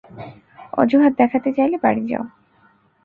অযুহাত দেখাতে চাইলে বাড়ি যাও।